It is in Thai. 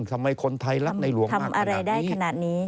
ทำไมคนไทยรักในหลวงมากขนาดนี้